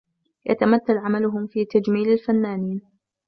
يتمثل عملهم في تجميل الفنانين.